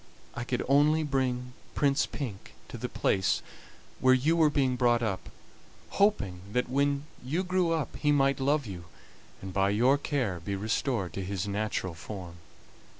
I could only bring Prince Pink to the place where you were being brought up, hoping that when you grew up he might love you, and by your care be restored to his natural form.